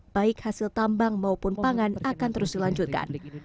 baik hasil tambang maupun pangan akan terus dilanjutkan